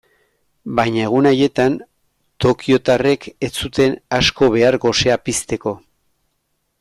Baina egun haietan tokiotarrek ez zuten asko behar gosea pizteko.